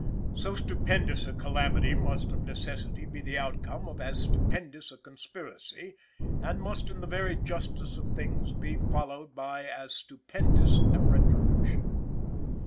So stupendous a calamity must of necessity be the outcome of as stupendous a conspiracy, and must in the very justice of things be followed by as stupendous a retribution.